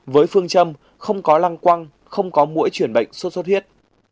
với phương châm không có lăng quăng không có mũi chuyển bệnh sốt xuất huyết